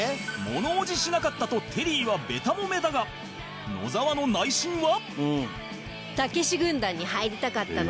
物おじしなかったとテリーはべた褒めだが野沢の内心は？